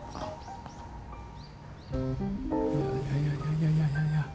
いやいや、いやいや。